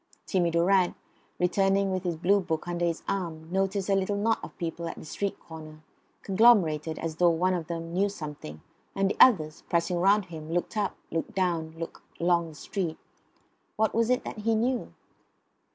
Timmy Durrant, returning with his Blue book under his arm, noticed a little knot of people at the street corner; conglomerated as though one of them knew something; and the others, pressing round him, looked up, looked down, looked along the street. What was it that he knew?